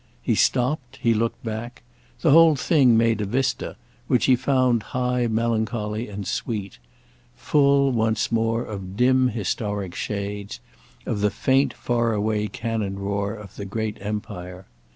He stopped, he looked back; the whole thing made a vista, which he found high melancholy and sweet—full, once more, of dim historic shades, of the faint faraway cannon roar of the great Empire.